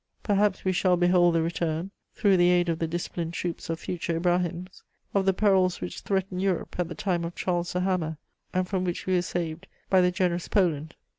Perhaps we shall behold the return, through the aid of the disciplined troops of future Ibrahims, of the perils which threatened Europe at the time of Charles the Hammer, and from which we were saved by the generous Poland.